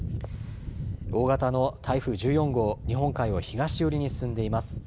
大型の台風１４号日本海を東寄りに進んでいます。